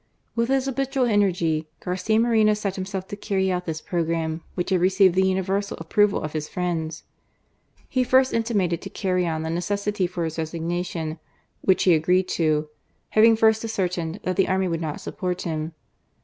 With his habitual energy, Garcia Moreno set himself to carry out this programme, which had received the universal approval of his friends. He first intimated to Carrion the necessity for his resignation, which he agreed to, having first ascer tained that the army would not support him.